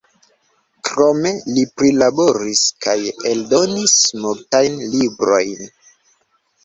Krome li prilaboris kaj eldonis multajn librojn.